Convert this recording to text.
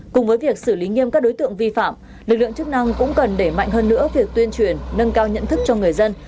cùng với việc xử lý nghiêm các đối tượng vi phạm lực lượng chức năng cũng cần để mạnh hơn nữa việc tuyên truyền nâng cao nhận thức cho người dân